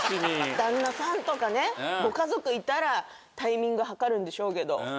旦那さんとかご家族いたらタイミング計るんでしょうけど。